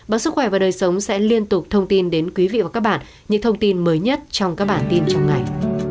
báo sức khỏe và đời sống sẽ liên tục thông tin đến quý vị và các bạn những thông tin mới nhất trong các bản tin trong ngày